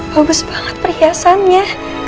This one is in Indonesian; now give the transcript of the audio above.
bagus banget perhiasannya